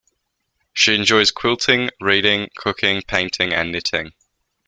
She enjoys quilting, reading, cooking, painting, and knitting.